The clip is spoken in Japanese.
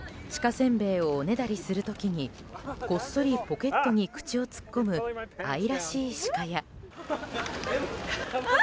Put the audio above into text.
せんべいをおねだりする時にこっそりポケットに口を突っ込む愛らしいシカや。